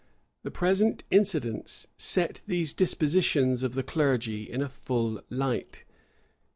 The present incidents set these dispositions of the clergy in a full light.